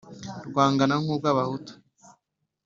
rwangana nk’urw’abahutu